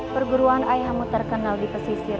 perguruan ayahmu terkenal di pesisir